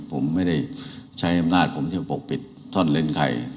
ผมไม่ได้ใช้อำนาจผมจะปกปิดท่อนเล้นใคร